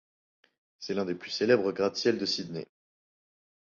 C'est l'un des plus célèbres gratte-ciel de Sydney.